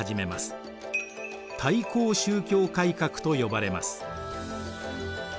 対抗宗教改革と呼ばれます。